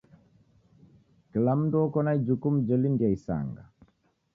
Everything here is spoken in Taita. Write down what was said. Kila mndu oko na ijukumu jelindia isanga.